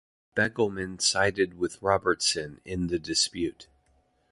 Begelman sided with Robertson in the dispute.